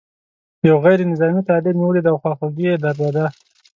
یو غیر نظامي طالب مې ولید او خواخوږي یې درلوده.